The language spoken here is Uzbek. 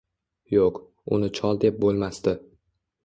Yoʻq, uni chol deb boʻlmasdi